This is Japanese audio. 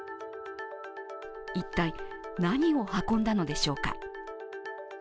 一体、何を運んだのでしょうか。